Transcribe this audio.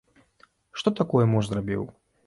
Што такое муж зрабіў?